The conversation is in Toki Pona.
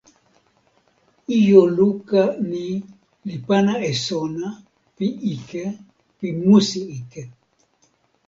ijo luka ni li pana e sona pi ike pi musi ike.